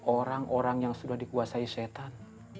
orang orang yang sudah dikuasai setan